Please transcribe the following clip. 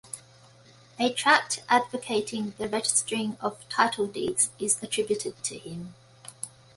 A tract advocating the registering of title-deeds is attributed to him.